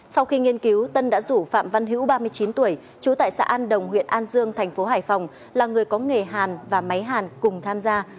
sau khi nghiên cứu tân đã rủ phạm văn hữu ba mươi chín tuổi trú tại xã an đồng huyện an dương thành phố hải phòng là người có nghề hàn và máy hàn cùng tham gia